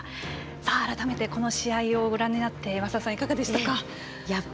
改めてこの試合をご覧になって増田さん、いかがでしたか。